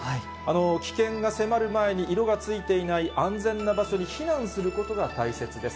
危険が迫る前に、色がついていない安全な場所に避難することが大切です。